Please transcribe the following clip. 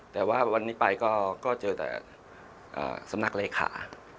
แต่ว่าวันนี้ไปก็เจอแต่สำนักเลขา